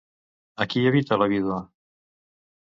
A qui evita la vídua?